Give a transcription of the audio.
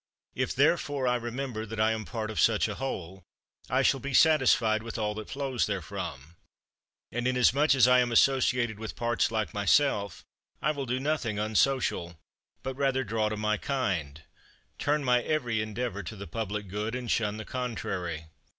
If therefore I remember that I am part of such a whole, I shall be satisfied with all that flows therefrom. And, inasmuch as I am associated with parts like myself, I will do nothing unsocial; but rather draw to my kind, turn my every endeavour to the public good, and shun the contrary.